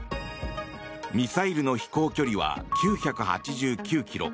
ミサイルの飛行距離は９８９ｋｍ